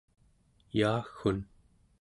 yaaggun